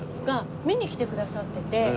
が見に来てくださってて。